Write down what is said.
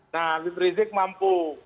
nah habib rizik mampu